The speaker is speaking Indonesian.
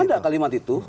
ada kalimat itu